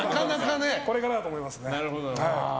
これからだと思いますね。